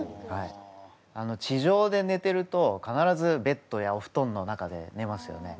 地上でねてると必ずベッドやおふとんの中でねますよね。